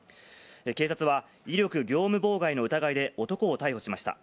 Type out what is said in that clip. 警察は威力業務妨害の疑いで男を逮捕しました。